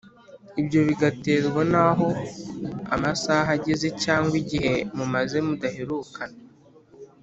ibyo bigaterwa n’aho amasaha ageze cyangwa igihe mumaze mudaherukana